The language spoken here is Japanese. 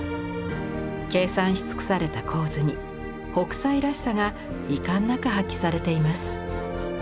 計算し尽くされた構図に北斎らしさが遺憾なく発揮されています。